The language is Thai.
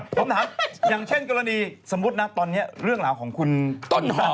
ผมถามอย่างเช่นกรณีสมมุตินะตอนนี้เรื่องราวของคุณต้นหอม